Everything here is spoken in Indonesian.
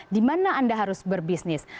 di mana anda harus berbisnis